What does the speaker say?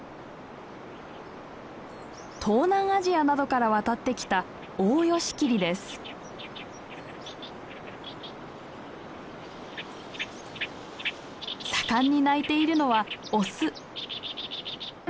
東南アジアなどから渡ってきた盛んに鳴いているのはオス。